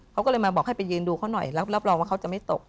เขาก็เลยมาบอกให้ไปยืนดูเขาหน่อยรับรองว่าเขาจะไม่ตก